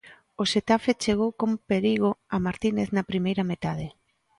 O Xetafe chegou con perigo a Martínez na primeira metade.